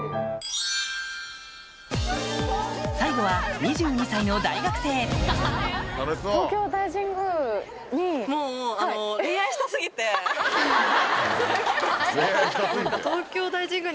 最後は２２歳の大学生ハハハハ。